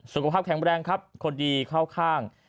สุขภาพแข็งแรงครับคนดีเข้าข้าง